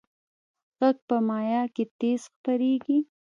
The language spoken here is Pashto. غږ په مایع کې تیز خپرېږي.